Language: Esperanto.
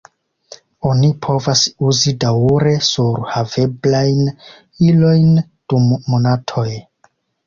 Oni povas uzi daŭre surhaveblajn ilojn dum monatoj.